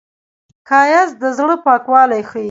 ښایست د زړه پاکوالی ښيي